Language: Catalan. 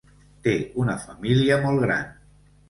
Té una família molt gran.